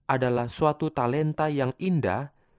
adalah suatu talenta yang indah